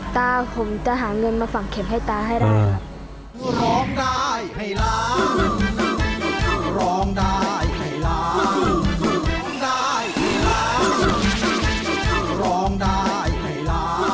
ตาผมจะหาเงินมาฝังเข็มให้ตาให้ได้ครับ